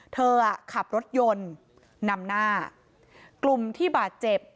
เธอขับรถยนต์นำหน้ากลุ่มที่บาดเจ็บ